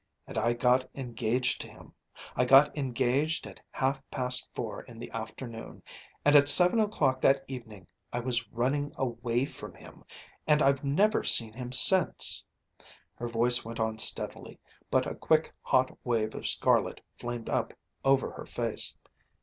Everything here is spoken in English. And I got engaged to him. I got engaged at half past four in the afternoon, and at seven o'clock that evening I was running away from him, and I've never seen him since." Her voice went on steadily, but a quick hot wave of scarlet flamed up over her face.